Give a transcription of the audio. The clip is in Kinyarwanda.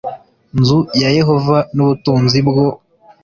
nzu ya yehova n ubutunzi bwo